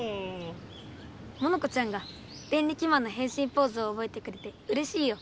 モノコちゃんがデンリキマンのへんしんポーズをおぼえてくれてうれしいよ！